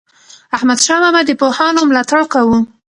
احمدشاه بابا د پوهانو ملاتړ کاوه.